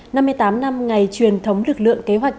năm mươi tám năm ngày truyền thống lực lượng kế hoạch